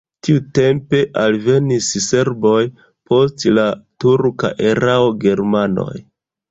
Tiutempe alvenis serboj, post la turka erao germanoj.